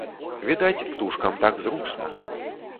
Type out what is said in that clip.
Відаць, птушкам так зручна.